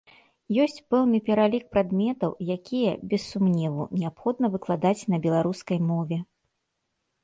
Ёсць пэўны пералік прадметаў, якія, без сумневу, неабходна выкладаць на беларускай мове.